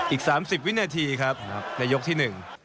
อีก๓๐วินาทีครับในยกที่๑